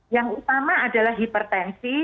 yang utama adalah hipertensi